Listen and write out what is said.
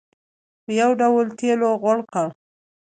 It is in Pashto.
په یو ډول تېلو غوړ کړ.